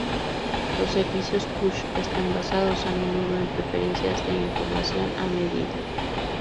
Los servicios "push" están basados, a menudo, en preferencias de información a medida.